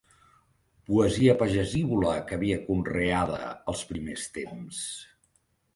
Poesia pagesívola que havia conreada als primers temps